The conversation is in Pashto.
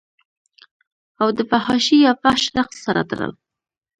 او دفحاشۍ يا فحش رقص سره تړل